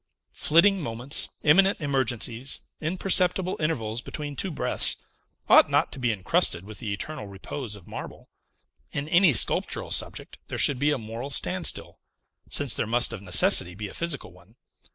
Flitting moments, imminent emergencies, imperceptible intervals between two breaths, ought not to be incrusted with the eternal repose of marble; in any sculptural subject, there should be a moral standstill, since there must of necessity be a physical one.